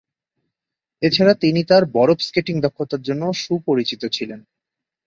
এছাড়া তিনি তার বরফ স্কেটিং দক্ষতার জন্য সুপরিচিত ছিলেন।